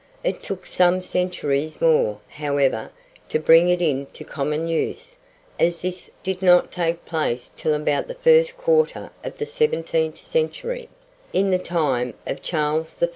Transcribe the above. It took some centuries more, however, to bring it into common use, as this did not take place till about the first quarter of the seventeenth century, in the time of Charles I.